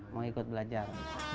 mau ikut belajar